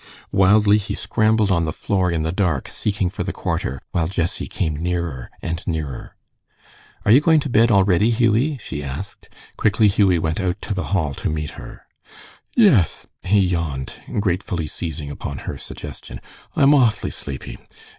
Wildly he scrambled on the floor in the dark, seeking for the quarter, while Jessie came nearer and nearer. "Are you going to bed already, Hughie?" she asked. Quickly Hughie went out to the hall to meet her. "Yes," he yawned, gratefully seizing upon her suggestion. "I'm awfully sleepy.